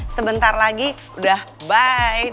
sebentar lagi udah bye